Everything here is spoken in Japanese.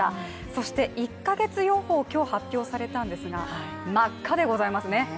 そして１か月予報、今日発表されたんですが真っ赤でございますね。